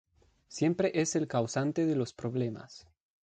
Siempre es el causante de los problemas.